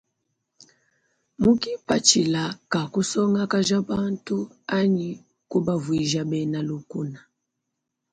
Mu kipatshila ka kusongakaja bantu anyi kubavuija bena lukna.